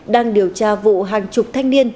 đang điều tra vụ hàng chục thanh niên